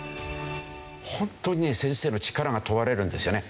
本当にね先生の力が問われるんですよね。